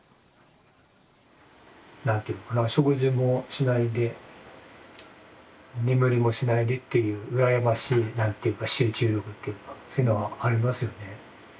何て言うのかな食事もしないで眠りもしないでっていう羨ましい集中力っていうかそういうのありますよね。